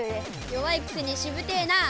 弱いくせにしぶてえなあ。